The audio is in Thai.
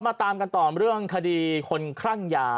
ตามกันต่อเรื่องคดีคนคลั่งยา